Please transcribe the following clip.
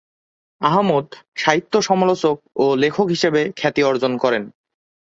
আহমদ সাহিত্য সমালোচক ও লেখক হিসাবে খ্যাতি অর্জন করেন।